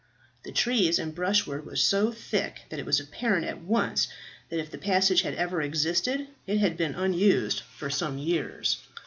The trees and brushwood were so thick that it was apparent at once that if the passage had ever existed it had been unused for some years.